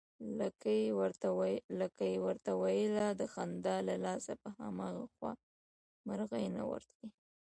لکۍ يې ورته ويله، د خندا له لاسه په هماغه خوا مرغۍ نه ورتلې